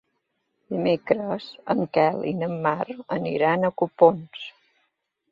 Dimecres en Quel i na Mar aniran a Copons.